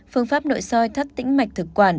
phương pháp nội soi thắt tĩnh mạch thực quản